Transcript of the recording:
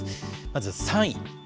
まず３位。